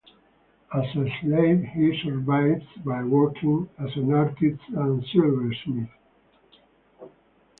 As a slave he survives by working as an artist and silversmith.